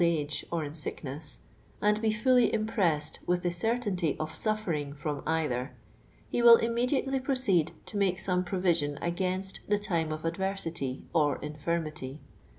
age or in sickness, and be fully inipreised with the ecrtaintif of suHering from either, ho will im mediately proceed to make some proviiiion against the time of adversity or infirmity.